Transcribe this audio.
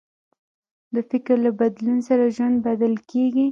د فکر له بدلون سره ژوند بدل کېږي.